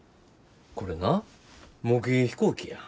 これな模型飛行機や。